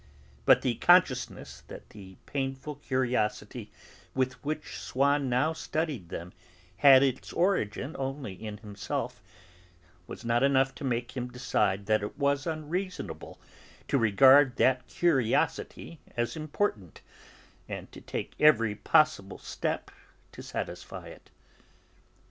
But the consciousness that the painful curiosity with which Swann now studied them had its origin only in himself was not enough to make him decide that it was unreasonable to regard that curiosity as important, and to take every possible step to satisfy it.